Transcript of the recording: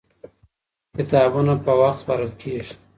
کتابونه په وخت سپارل کېږي.